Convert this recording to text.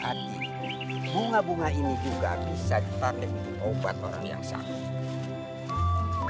hati bunga bunga ini juga bisa ditarik untuk obat orang yang sakit